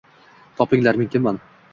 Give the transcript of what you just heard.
Topinglar, men kimman?